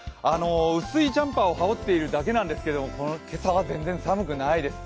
薄いジャンパーを羽織っているだけなんですけれども今朝は全然寒くないです。